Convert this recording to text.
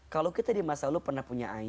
kalau kita di masa lalu pernah punya aib